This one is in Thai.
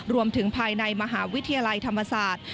รวมถึงภายในมหาวิทยาลัยธรรมศาสตร์